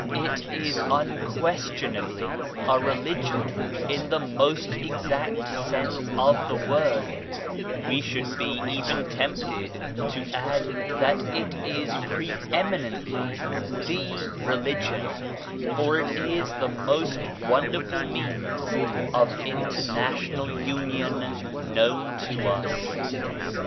It is unques tionably a religion, in the most exact sense of the word ; we should be even tempted to add that it is pre eminently The Religion, for it is the most wonderful means of international union known to us.